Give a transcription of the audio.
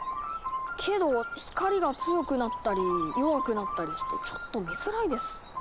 けど光が強くなったり弱くなったりしてちょっと見づらいです。